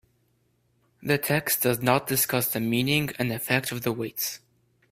The text does not discuss the meaning and effect of the weights.